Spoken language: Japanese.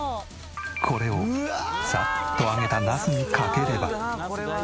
これをサッと揚げたナスにかければ。